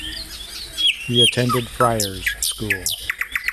He attended Friars School.